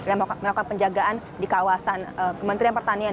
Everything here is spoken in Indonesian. yang melakukan penjagaan di kawasan kementerian pertanian